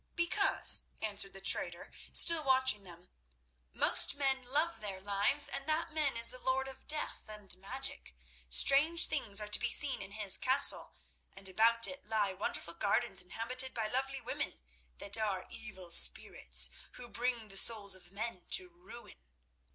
"Because," answered the trader, still watching them, "most men love their lives, and that man is the lord of death and magic. Strange things are to be seen in his castle, and about it lie wonderful gardens inhabited by lovely women that are evil spirits, who bring the souls of men to ruin.